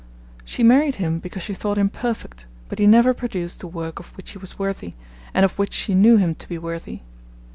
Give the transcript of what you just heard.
She married him because she thought him perfect, but he never produced the work of which he was worthy, and of which she knew him to be worthy.